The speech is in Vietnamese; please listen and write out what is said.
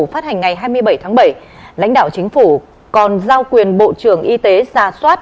phát hành ngày hai mươi bảy tháng bảy lãnh đạo chính phủ còn giao quyền bộ trưởng y tế ra soát